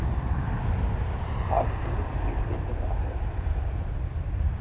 Hako mu tzǩint̆ili ğağum.